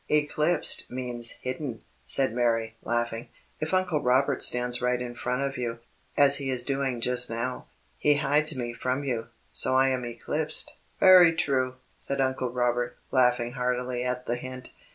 "Eclipsed means hidden," said Mary, laughing. "If Uncle Robert stands right in front of you, as he is doing just now, he hides me from you, so I am eclipsed." "Very true," said Uncle Robert, laughing heartily at the hint.